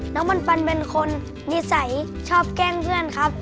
ปันเป็นคนนิสัยชอบแกล้งเพื่อนครับ